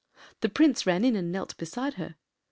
The Prince ran in and knelt beside her.